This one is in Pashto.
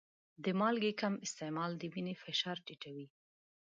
د مالګې کم استعمال د وینې فشار ټیټوي.